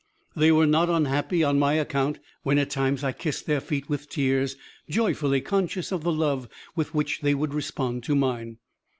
They were not unhappy on my account when at times I kissed their feet with tears, joyfully conscious of the love with which they would respond to mine.